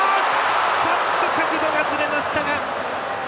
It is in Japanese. ちょっと角度がずれましたが。